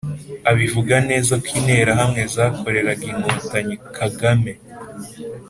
abivuga neza ko Interahamwe zakoreraga Inkotanyi-Kagame